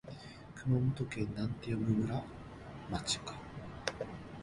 熊本県多良木町